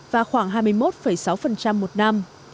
và khoảng hai mươi một sáu một năm